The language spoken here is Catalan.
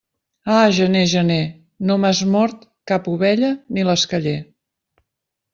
Ah, gener, gener, no m'has mort cap ovella ni l'esqueller.